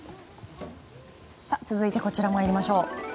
続いてこちら参りましょう。